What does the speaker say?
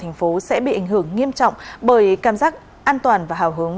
thành phố sẽ bị ảnh hưởng nghiêm trọng bởi cảm giác an toàn và hào hứng